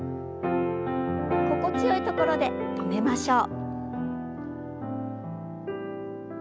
心地よいところで止めましょう。